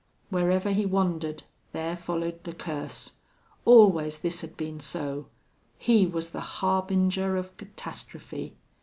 Wherever he wandered there followed the curse! Always this had been so. He was the harbinger of catastrophe.